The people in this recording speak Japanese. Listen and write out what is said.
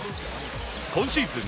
今シーズン